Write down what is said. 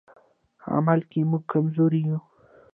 عمل کې موږ کمزوري یو.